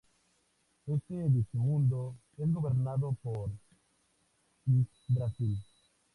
Este Digimundo es gobernado por Yggdrasil.